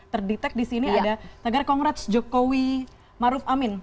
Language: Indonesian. terdetek disini ada tagar kongrat jokowi maruf amin